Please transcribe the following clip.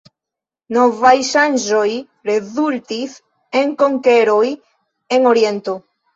Novaj ŝanĝoj rezultis en konkeroj en oriento.